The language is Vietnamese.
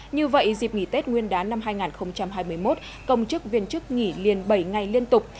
như vậy dịp nghỉ tết nguyên đán năm hai nghìn hai mươi một công chức viên chức nghỉ liền bảy ngày liên tục